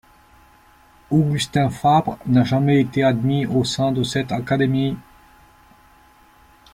Augustin Fabre n'a jamais été admis au sein de cette académie.